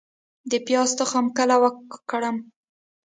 د پیاز تخم کله وکرم؟